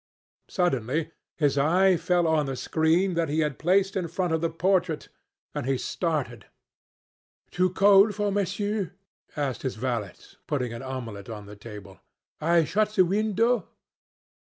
Suddenly his eye fell on the screen that he had placed in front of the portrait, and he started. "Too cold for Monsieur?" asked his valet, putting an omelette on the table. "I shut the window?"